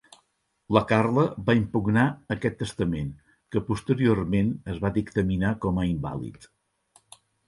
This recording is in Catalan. La Carla va impugnar aquest testament, que posteriorment es va dictaminar com a invàlid.